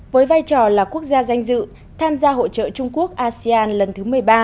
với vai trò là quốc gia danh dự tham gia hội trợ trung quốc asean lần thứ một mươi ba